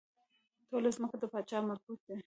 ټوله ځمکه د پاچا مربوط ده.